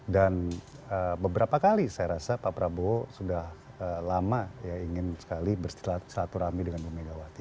dan beberapa kali saya rasa pak prabowo sudah lama ingin sekali bersilaturahmi dengan bu megawati